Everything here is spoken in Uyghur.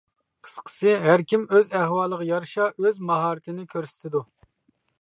قىسقىسى، ھەركىم ئۆز ئەھۋالىغا يارىشا ئۆز ماھارىتىنى كۆرسىتىدۇ.